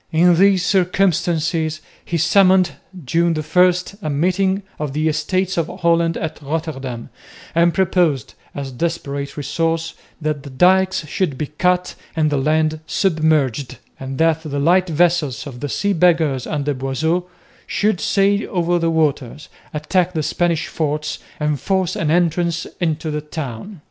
In these circumstances he summoned, June 1, a meeting of the Estates of Holland at Rotterdam and proposed, as a desperate resource, that the dykes should be cut and the land submerged, and that the light vessels of the Sea Beggars under Boisot should sail over the waters, attack the Spanish forts and force an entrance into the town.